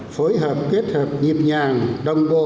phối hợp kết hợp nhịp nhàng đồng bộ bài bản hơn